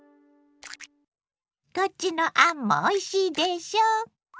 こっちの「あん」もおいしいでしょ？